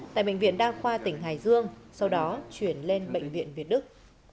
tại bệnh viện đa khoa tỉnh hải dương sau đó chuyển lên bệnh viện việt đức